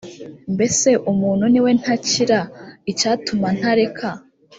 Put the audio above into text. mbese umuntu ni we ntakira icyatuma ntareka